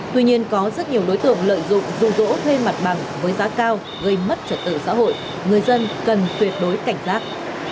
tuy nhiên có rất nhiều đối tượng lợi dụng rụ rỗ thuê mặt bằng với giá cao gây mất trật tự xã hội người dân cần tuyệt đối cảnh giác